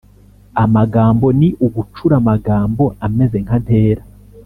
amagambo ni ugucura amagambo ameze nka ntera